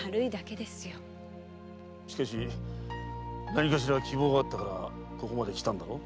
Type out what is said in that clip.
しかし何かしら希望があったからここまで来たんだろう？